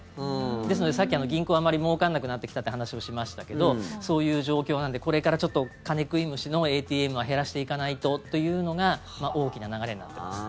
ですので、さっき、銀行あんまりもうからなくなってきたって話をしましたけどそういう状況なんでこれから金食い虫のＡＴＭは減らしていかないとというのが大きな流れになっています。